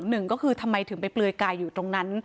หนึ่งก็คือทำไมถึงไปเปลือยกายอยู่ตรงนั้น